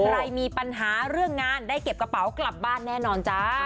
ใครมีปัญหาเรื่องงานได้เก็บกระเป๋ากลับบ้านแน่นอนจ้า